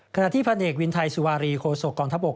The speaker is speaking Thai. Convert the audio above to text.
ขณะที่พันเอกวินไทยสุวารีโคศกองทัพบก